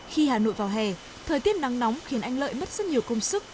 khi hà nội vào hè thời tiết nắng nóng khiến anh lợi mất rất nhiều công sức